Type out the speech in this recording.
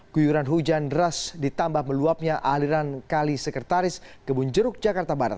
guyuran hujan deras ditambah meluapnya aliran kali sekretaris kebun jeruk jakarta barat